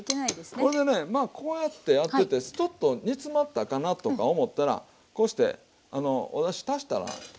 これでねこうやってやっててちょっと煮詰まったかなとか思ったらこうしてあのおだし足したらよろしいからね。